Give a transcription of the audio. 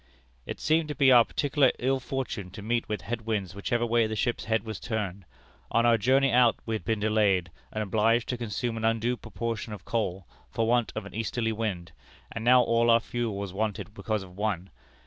"It seemed to be our particular ill fortune to meet with head winds whichever way the ship's head was turned. On our journey out we had been delayed, and obliged to consume an undue proportion of coal, for want of an easterly wind, and now all our fuel was wanted because of one.